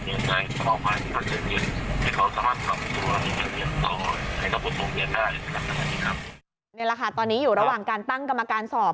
นี่แหละค่ะตอนนี้อยู่ระหว่างการตั้งกรรมการสอบ